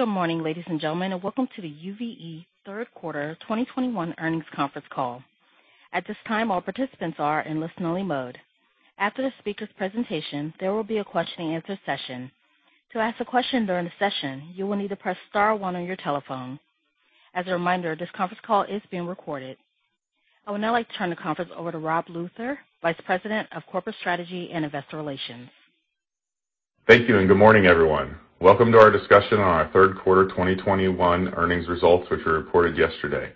Good morning, ladies and gentlemen, and welcome to the UVE Q3 2021 earnings conference call. At this time, all participants are in listen-only mode. After the speaker's presentation, there will be a question and answer session. To ask a question during the session, you will need to press star one on your telephone. As a reminder, this conference call is being recorded. I would now like to turn the conference over to Rob Luther, Vice President of Corporate Strategy and Investor Relations. Thank you, and good morning, everyone. Welcome to our discussion on our Q3 2021 earnings results, which were reported yesterday.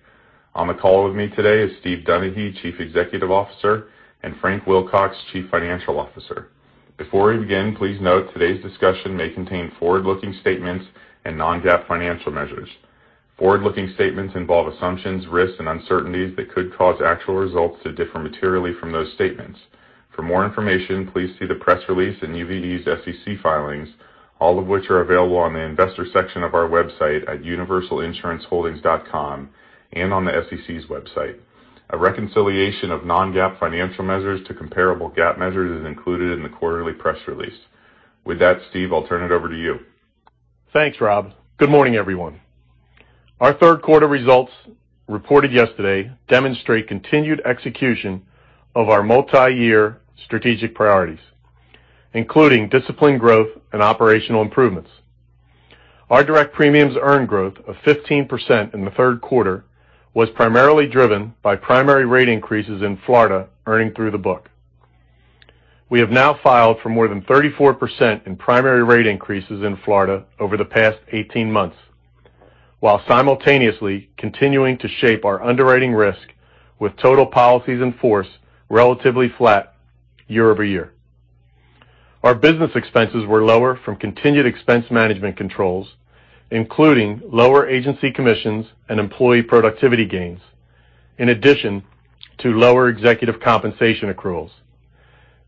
On the call with me today is Steve Donaghy, Chief Executive Officer, and Frank Wilcox, Chief Financial Officer. Before we begin, please note today's discussion may contain forward-looking statements and non-GAAP financial measures. Forward-looking statements involve assumptions, risks, and uncertainties that could cause actual results to differ materially from those statements. For more information, please see the press release in UVE's SEC filings, all of which are available on the investor section of our website at universalinsuranceholdings.com and on the SEC's website. A reconciliation of non-GAAP financial measures to comparable GAAP measures is included in the quarterly press release. With that, Steve, I'll turn it over to you. Thanks, Rob. Good morning, everyone. Our Q3 results reported yesterday demonstrate continued execution of our multi-year strategic priorities, including disciplined growth and operational improvements. Our direct premiums earned growth of 15% in the Q3 was primarily driven by primary rate increases in Florida, earning through the book. We have now filed for more than 34% in primary rate increases in Florida over the past 18 months, while simultaneously continuing to shape our underwriting risk with total policies in force relatively flat year-over-year. Our business expenses were lower from continued expense management controls, including lower agency commissions and employee productivity gains, in addition to lower executive compensation accruals.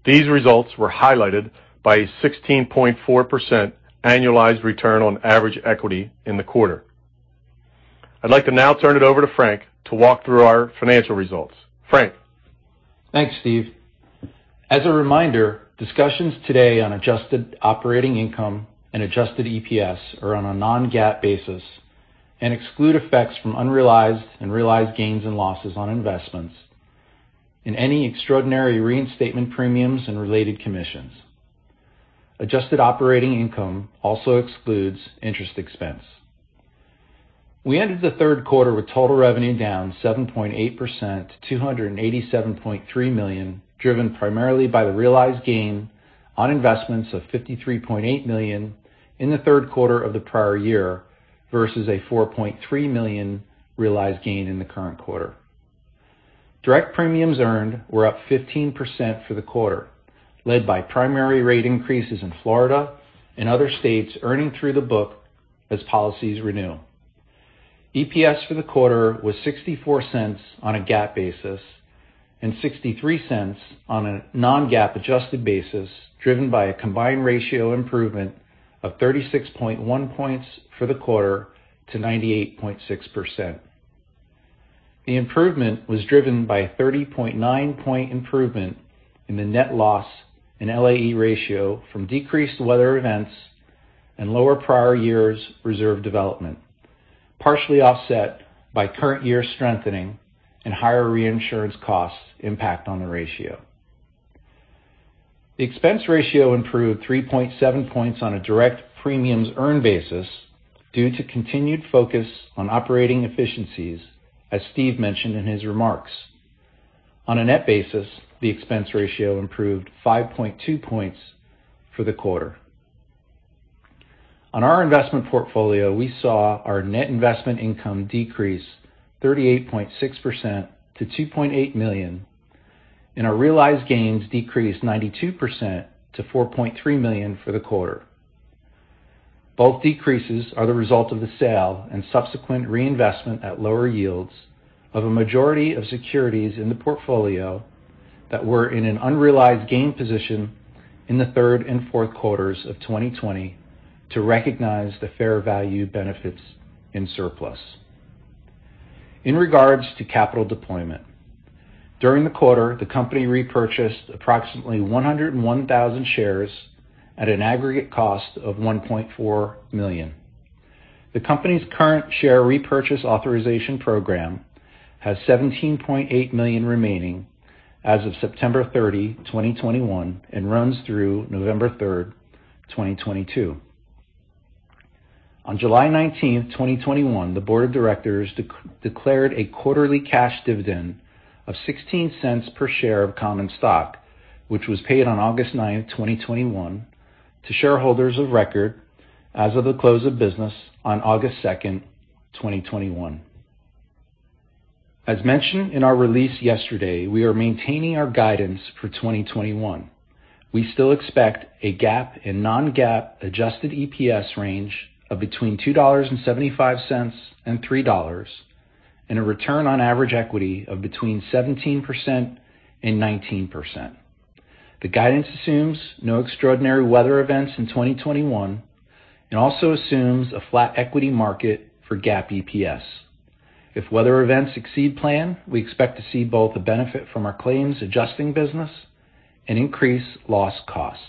These results were highlighted by a 16.4% annualized return on average equity in the quarter. I'd like to now turn it over to Frank to walk through our financial results. Frank. Thanks, Steve. As a reminder, discussions today on adjusted operating income and adjusted EPS are on a non-GAAP basis and exclude effects from unrealized and realized gains and losses on investments and any extraordinary reinstatement premiums and related commissions. Adjusted operating income also excludes interest expense. We ended the Q3 with total revenue down 7.8% to $287.3 million, driven primarily by the realized gain on investments of $53.8 million in the Q3 of the prior year versus a $4.3 million realized gain in the current quarter. Direct premiums earned were up 15% for the quarter, led by primary rate increases in Florida and other states earning through the book as policies renew. EPS for the quarter was $0.64 on a GAAP basis and $0.63 on a non-GAAP adjusted basis, driven by a combined ratio improvement of 36.1 points for the quarter to 98.6%. The improvement was driven by a 30.9-point improvement in the net loss and LAE ratio from decreased weather events and lower prior years' reserve development, partially offset by current year strengthening and higher reinsurance costs impact on the ratio. The expense ratio improved 3.7 points on a direct premiums earned basis due to continued focus on operating efficiencies, as Steve mentioned in his remarks. On a net basis, the expense ratio improved 5.2 points for the quarter. On our investment portfolio, we saw our net investment income decrease 38.6% to $2.8 million, and our realized gains decreased 92% to $4.3 million for the quarter. Both decreases are the result of the sale and subsequent reinvestment at lower yields of a majority of securities in the portfolio that were in an unrealized gain position in the third and Q4s of 2020 to recognize the fair value benefits in surplus. In regards to capital deployment, during the quarter, the company repurchased approximately 101,000 shares at an aggregate cost of $1.4 million. The company's current share repurchase authorization program has 17.8 million remaining as of September 30, 2021 and runs through November 3rd, 2022. On July 19, 2021, the board of directors declared a quarterly cash dividend of $0.16 per share of common stock, which was paid on August 9, 2021 to shareholders of record as of the close of business on August 2nd, 2021. As mentioned in our release yesterday, we are maintaining our guidance for 2021. We still expect a GAAP and non-GAAP adjusted EPS range of between $2.75 and $3 and a return on average equity of between 17% and 19%. The guidance assumes no extraordinary weather events in 2021 and also assumes a flat equity market for GAAP EPS. If weather events exceed plan, we expect to see both the benefit from our claims adjusting business and an increase in loss costs.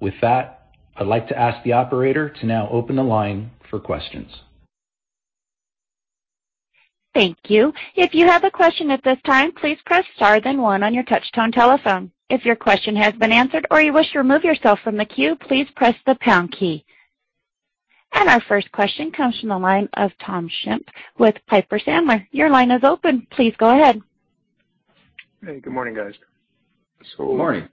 With that, I'd like to ask the operator to now open the line for questions. Thank you. Our 1st question comes from the line of Tom Shimp with Piper Sandler. Your line is open. Please go ahead. Hey, good morning, guys. Good morning.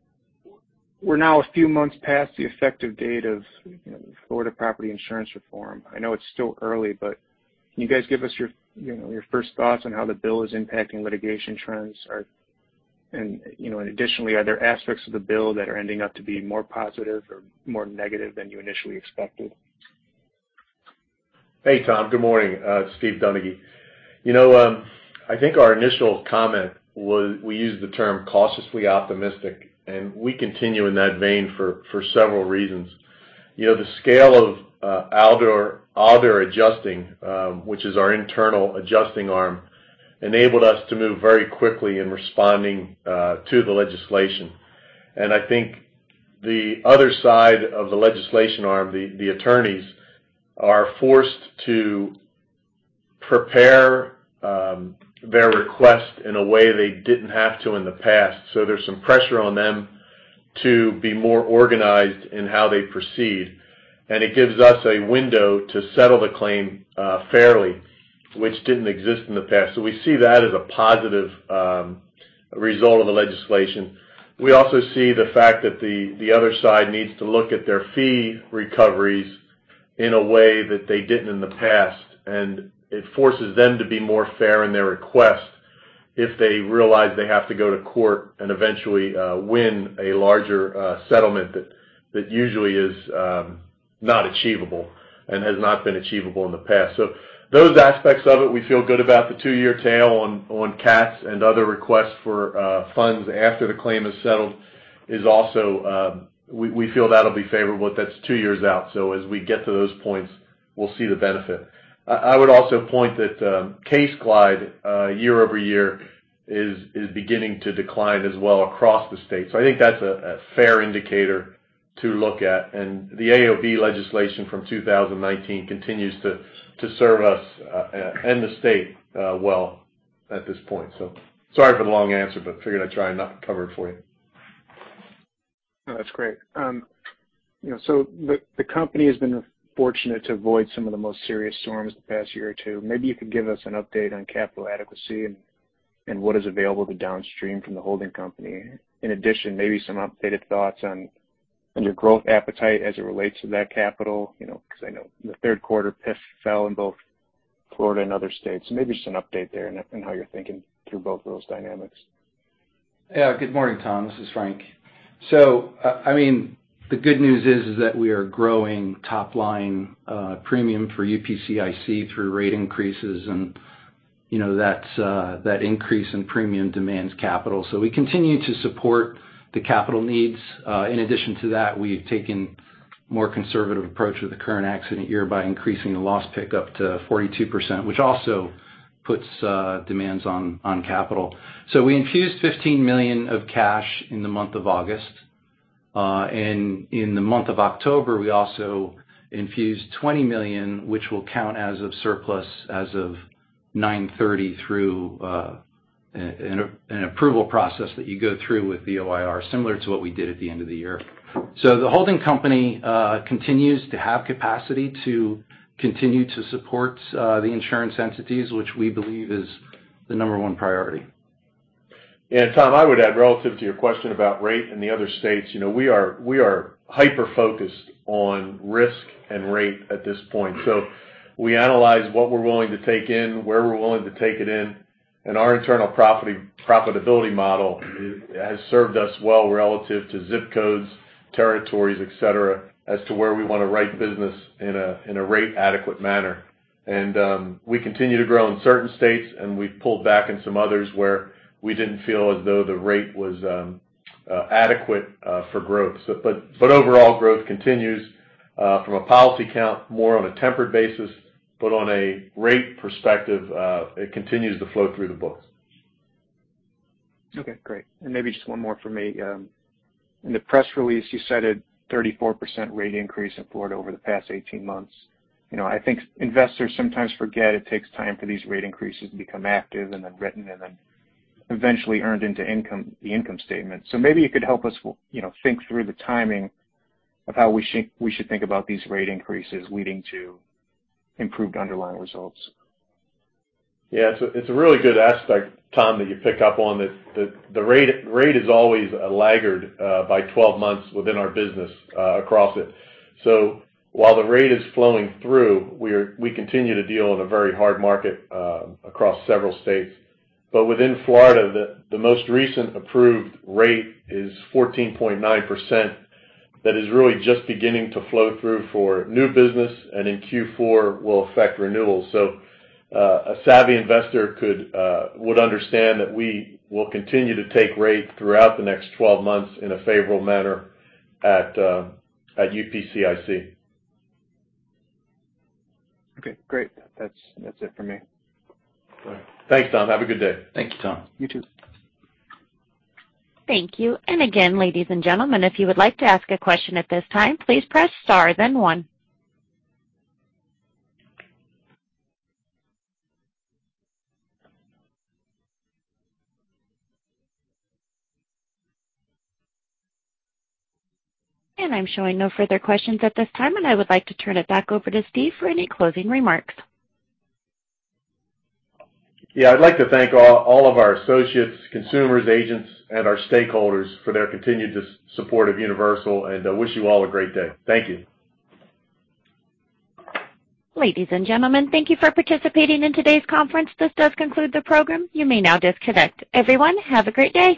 We're now a few months past the effective date of Florida property insurance reform. I know it's still early, but can you guys give us your, you know, your 1st thoughts on how the bill is impacting litigation trends? You know, additionally, are there aspects of the bill that are ending up to be more positive or more negative than you initially expected? Hey, Tom. Good morning. It's Steve Donaghy. You know, I think our initial comment was we used the term cautiously optimistic, and we continue in that vein for several reasons. You know, the scale of Alder Adjusting, which is our internal adjusting arm, enabled us to move very quickly in responding to the legislation. I think the other side of the legislation arm, the attorneys are forced to prepare their request in a way they didn't have to in the past. There's some pressure on them to be more organized in how they proceed. It gives us a window to settle the claim fairly, which didn't exist in the past. We see that as a positive result of the legislation. We also see the fact that the other side needs to look at their fee recoveries in a way that they didn't in the past, and it forces them to be more fair in their request if they realize they have to go to court and eventually win a larger settlement that usually is not achievable and has not been achievable in the past. Those aspects of it, we feel good about the two-year tail on cats and other requests for funds after the claim is settled is also, we feel that'll be favorable. That's two years out, so as we get to those points, we'll see the benefit. I would also point that CaseGlide year-over-year is beginning to decline as well across the state. I think that's a fair indicator to look at. The AOB legislation from 2019 continues to serve us and the state well at this point. Sorry for the long answer, but figured I'd try and not cover it for you. No, that's great. You know, the company has been fortunate to avoid some of the most serious storms the past year or two. Maybe you could give us an update on capital adequacy and what is available to downstream from the holding company. In addition, maybe some updated thoughts on your growth appetite as it relates to that capital, you know, because I know in the Q3, PIF fell in both Florida and other states. Maybe just an update there and how you're thinking through both of those dynamics. Good morning, Tom. This is Frank. I mean, the good news is that we are growing top line premium for UPCIC through rate increases. You know, that increase in premium demands capital. We continue to support the capital needs. In addition to that, we've taken a more conservative approach with the current accident year by increasing the loss pick to 42%, which also puts demands on capital. We infused $15 million of cash in the month of August. In the month of October, we also infused $20 million, which will count as surplus as of September 30 through an approval process that you go through with the OIR, similar to what we did at the end of the year. The holding company continues to have capacity to continue to support the insurance entities, which we believe is the number one priority. Tom, I would add relative to your question about rate in the other states, we are hyper-focused on risk and rate at this point. We analyze what we're willing to take in, where we're willing to take it in, and our internal profitability model has served us well relative to zip codes, territories, et cetera, as to where we wanna write business in a rate adequate manner. We continue to grow in certain states, and we've pulled back in some others where we didn't feel as though the rate was adequate for growth. Overall growth continues from a policy count more on a tempered basis, but on a rate perspective, it continues to flow through the books. Okay, great. Maybe just one more for me. In the press release, you cited 34% rate increase in Florida over the past 18 months. You know, I think investors sometimes forget it takes time for these rate increases to become active and then written and then eventually earned into income, the income statement. Maybe you could help us, you know, think through the timing of how we should think about these rate increases leading to improved underlying results. Yeah. It's a really good aspect, Tom, that you pick up on. The rate is always a laggard by 12 months within our business across it. While the rate is flowing through, we continue to deal in a very hard market across several states. Within Florida, the most recent approved rate is 14.9%. That is really just beginning to flow through for new business and in Q4 will affect renewals. A savvy investor would understand that we will continue to take rate throughout the next 12 months in a favorable manner at UPCIC. Okay, great. That's it for me. All right. Thanks, Tom. Have a good day. Thank you, Tom. You too. Thank you. I'm showing no further questions at this time, and I would like to turn it back over to Steve for any closing remarks. Yeah. I'd like to thank all of our associates, consumers, agents, and our stakeholders for their continued support of Universal, and I wish you all a great day. Thank you. Ladies and gentlemen, thank you for participating in today's conference. This does conclude the program. You may now disconnect. Everyone, have a great day.